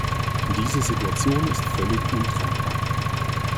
Diese Situation ist völlig untragbar.